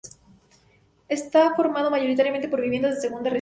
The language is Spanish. Está formado mayoritariamente por viviendas de segunda residencia.